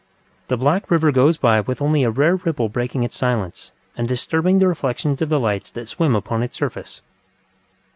The black river goes by with only a rare ripple breaking its silence, and disturbing the reflections of the lights that swim upon its surface.